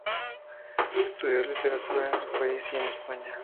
Estudió literatura en su país y en España.